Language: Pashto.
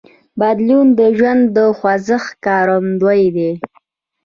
بدلون د ژوند د خوځښت ښکارندوی دی.